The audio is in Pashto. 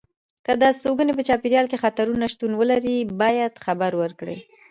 که د استوګنې په چاپېریال کې خطرونه شتون ولري باید خبر ورکړي.